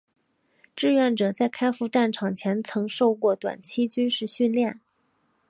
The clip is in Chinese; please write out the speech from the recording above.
志愿者在开赴战场前曾受过短期军事训练。